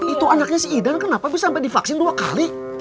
itu anaknya si idan kenapa bisa sampai divaksin dua kali